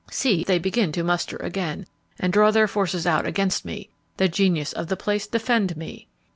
See, they begin to muster again, and draw their forces out against me! The genius of the place defend me!